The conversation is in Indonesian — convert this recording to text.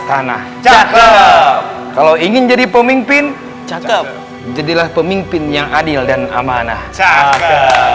tanah jatuh kalau ingin jadi pemimpin jatuh jadilah pemimpin yang adil dan amanah cak